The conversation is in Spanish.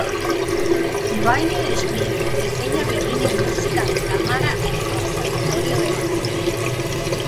Rainer Schmidt enseña violín y música de cámara en el Conservatorio de Basilea.